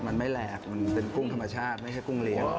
มันไม่แหลกมันเป็นกุ้งธรรมชาติไม่ใช่กุ้งเลี้ยง